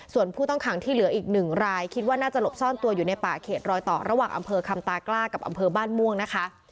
ส่วนผู้ต้องขังที่เหลืออีกหนึ่งรายคิดว่าน่าจะหลบซ่อนตัวอยู่ในป่าเขตรอยต่อระหว่างอำเภอคำตากล้ากับอำเภอบ้านม่วงนะคะ